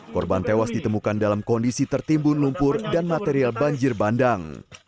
korban tewas ditemukan dalam kondisi tertimbun lumpur dan material banjir bandang